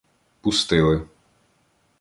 Пустили.